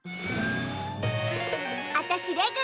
あたしレグ！